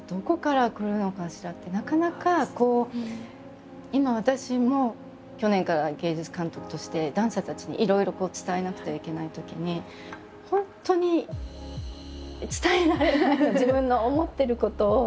なかなかこう今私も去年から芸術監督としてダンサーたちにいろいろ伝えなくてはいけないときに本当に伝えられないの自分の思ってることを。